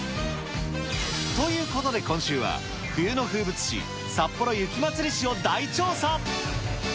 ということで今週は、冬の風物詩、さっぽろ雪まつり史を大調査。